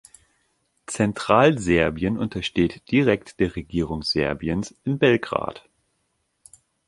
Zentralserbien untersteht direkt der Regierung Serbiens in Belgrad.